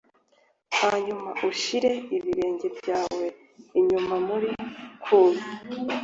hanyuma ushire ibirenge byanjye ibyuya muri cool